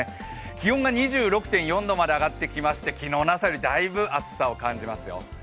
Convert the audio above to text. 気温が２６．４度まで上がってきまして、昨日の朝よりだいぶ暑さを感じますよ。